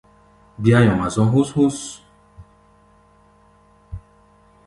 Bíá nyɔŋa zɔ̧́ hú̧s-hú̧s.